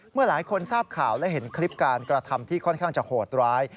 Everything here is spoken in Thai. หลายคนทราบข่าวและเห็นคลิปการกระทำที่ค่อนข้างจะโหดร้าย